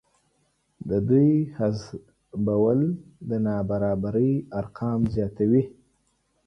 د دوی حذفول د نابرابرۍ ارقام زیاتوي